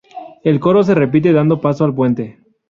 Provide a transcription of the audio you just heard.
El coro se repite dando paso al puente.